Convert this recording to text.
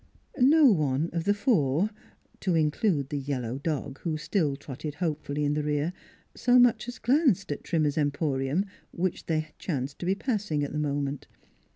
" No one of the four (to include the yellow dog, who still trotted hopefully in the rear) so much as glanced at Trimmer's Emporium, which they chanced to be passing at the moment.